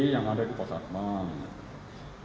yang ada di posat bank